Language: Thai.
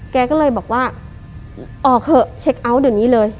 แกก็เลยบอกว่าออกเถอะเช็คเอาท์เดี๋ยวนี้เลย